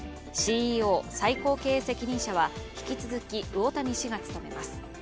ＣＥＯ＝最高経営責任者は引き続き魚谷氏が務めます。